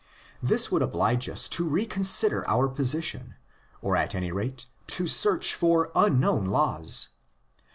This would oblige us to reconsider our position, or at any rate to search for unknown laws.